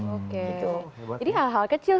oke jadi hal hal kecil